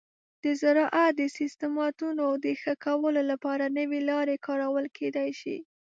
د زراعت د سیستماتو د ښه کولو لپاره نوي لارې کارول کیدی شي.